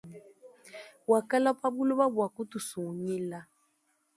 Wakalwa pabuloba bu kutusungila.